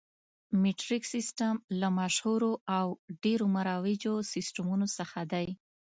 مټریک سیسټم له مشهورو او ډېرو مروجو سیسټمونو څخه دی.